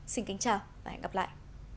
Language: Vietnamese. xin kính chào và hẹn gặp lại